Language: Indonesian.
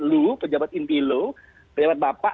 lu pejabat inti lo pejabat bapak